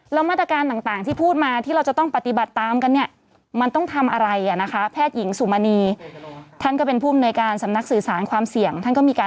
แล้วมาตรการต่างที่พูดมาที่เราจะต้องปฏิบัติตามกันเนี่ยมันต้องทำอะไรอ่ะนะคะแพทย์หญิงสุมณีท่านก็เป็นผู้อำนวยการสำนักสื่อสารความเสี่ยงท่านก็มีการ